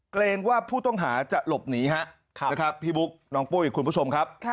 เกรงว่าผู้ต้องหาจะหลบหนีฮะนะครับพี่บุ๊คน้องปุ้ยคุณผู้ชมครับ